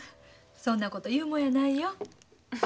そんなこと言うもんやないよ。